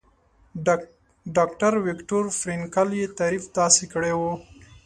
ډاکټر ويکټور فرېنکل يې تعريف داسې کړی وو.